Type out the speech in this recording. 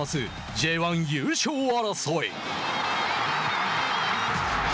Ｊ１優勝争い。